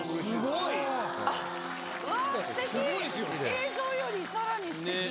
映像よりさらにすてき！